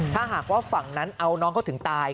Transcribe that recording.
ถ้าหากว่าฝั่งนั้นเอาน้องเขาถึงตาย